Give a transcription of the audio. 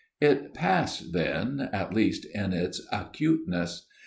" It passed then at least in its acuteness.